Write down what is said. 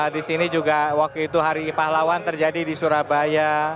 di sini juga waktu itu hari pahlawan terjadi di surabaya